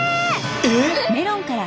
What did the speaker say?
えっ！？